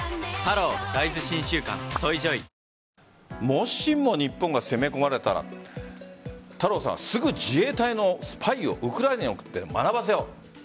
もしも日本が攻め込まれたら太郎さんはすぐに自衛隊のスパイをウクライナへ送って学ばせよ。